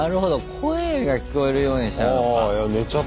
声が聞こえるようにしたのか。